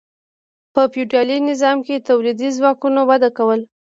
په فیوډالي نظام کې تولیدي ځواکونو وده وکړه.